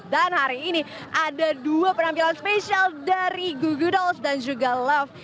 dan hari ini ada dua penampilan spesial dari goo goo dolls dan juga love